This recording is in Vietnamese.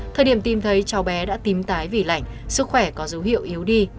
thời điểm tìm thấy cháu bé đã tím tái vì lạnh sức khỏe có dấu hiệu yếu đi